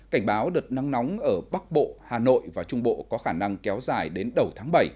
cảnh báo đợt nắng nóng ở bắc bộ hà nội và trung bộ có khả năng kéo dài đến đầu tháng bảy